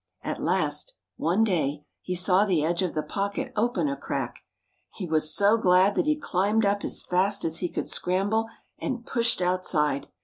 At last, one day, he saw the edge of the pocket open a crack. He was so glad that he climbed up as fast as he could scramble, and pushed outside.